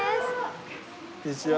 こんにちは。